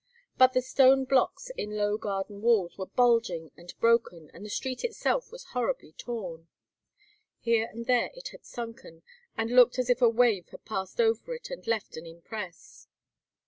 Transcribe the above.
But the stone blocks in low garden walls were bulging and broken, and the street itself was horribly torn. Here and there it had sunken, and looked as if a wave had passed over it and left an impress.